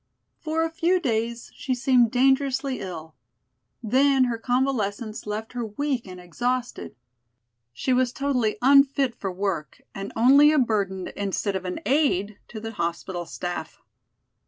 For a few days she seemed dangerously ill, then her convalescence left her weak and exhausted. She was totally unfit for work and only a burden instead of an aid to the hospital staff.